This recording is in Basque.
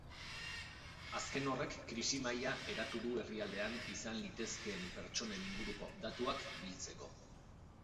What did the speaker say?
Azken horrek krisi mahia eratu du herrialdean izan litezkeen pertsonen inguruko datuak biltzeko.